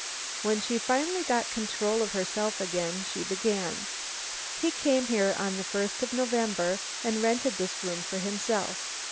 When she finally got control of herself again she began: "He came here on the first of November and rented this room for himself.